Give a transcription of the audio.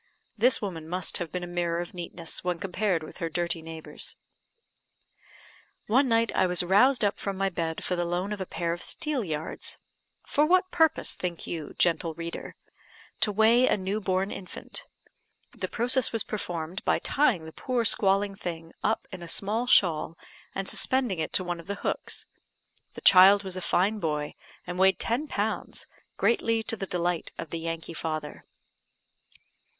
This woman must have been a mirror of neatness when compared with her dirty neighbours. One night I was roused up from my bed for the loan of a pair of "steelyards." For what purpose think you, gentle reader? To weigh a new born infant. The process was performed by tying the poor squalling thing up in a small shawl, and suspending it to one of the hooks. The child was a fine boy, and weighed ten pounds, greatly to the delight of the Yankee father.